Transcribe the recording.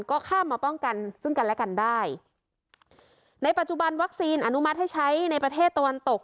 ก็ข้ามมาป้องกันซึ่งกันและกันได้ในปัจจุบันวัคซีนอนุมัติให้ใช้ในประเทศตะวันตก